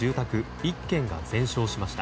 １軒が全焼しました。